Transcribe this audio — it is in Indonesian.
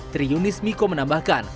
triunis miko menambahkan